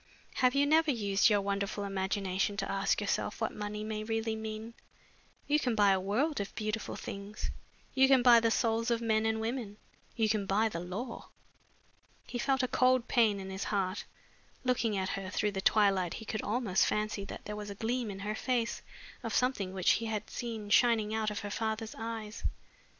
Have you never used your wonderful imagination to ask yourself what money may really mean? You can buy a world of beautiful things, you can buy the souls of men and women, you can buy the law." He felt a cold pain in his heart. Looking at her through the twilight he could almost fancy that there was a gleam in her face of something which he had seen shining out of her father's eyes.